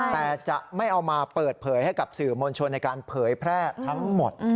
แต่จะไม่เอามาเปิดเผยให้กับสื่อมวลชนในการเผยแพร่ทั้งหมด